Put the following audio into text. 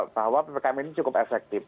bahwa ppkm ini cukup efektif